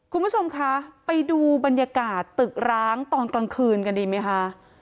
คุณผู้ชมคะไปดูบรรยากาศตึกร้างตอนกลางคืนกันดีไหมคะ